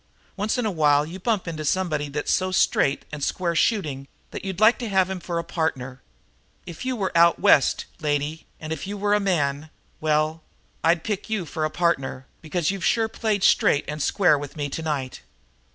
Once in a while you bump into somebody that's so straight and square shooting that you'd like to have him for a partner. If you were out West, lady, and if you were a man well, I'd pick you for a partner, because you've sure played straight and square with me tonight."